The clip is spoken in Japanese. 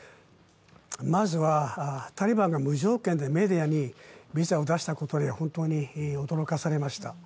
まずはタリバンが無条件でメディアにビザを出したことに本当に驚かされました。